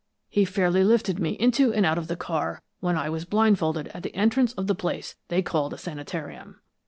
He fairly lifted me into and out of the car when I was blindfolded at the entrance of the place they called a sanitarium.